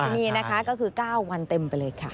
นี่นะคะก็คือ๙วันเต็มไปเลยค่ะ